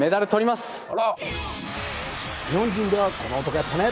日本人ではこの男やったね